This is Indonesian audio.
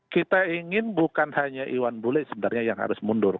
kita ingin bukan hanya iwan bule sebenarnya yang harus mundur